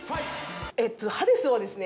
ハデスはですね